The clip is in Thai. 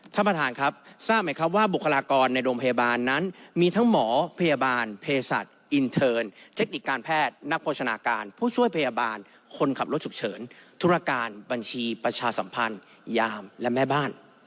ท่านประธานครับทราบไหมครับว่าบุคลากรในโรงพยาบาลนั้นมีทั้งหมอพยาบาลเพศัตว์อินเทิร์นเทคนิคการแพทย์นักโภชนาการผู้ช่วยพยาบาลคนขับรถฉุกเฉินธุรการบัญชีประชาสัมพันธ์ยามและแม่บ้าน